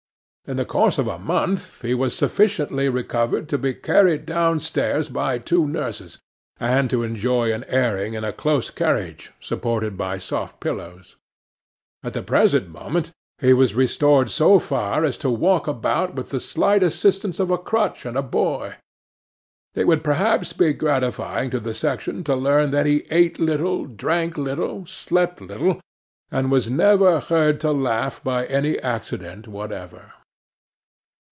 In the course of a month he was sufficiently recovered to be carried down stairs by two nurses, and to enjoy an airing in a close carriage, supported by soft pillows. At the present moment he was restored so far as to walk about, with the slight assistance of a crutch and a boy. It would perhaps be gratifying to the section to learn that he ate little, drank little, slept little, and was never heard to laugh by any accident whatever.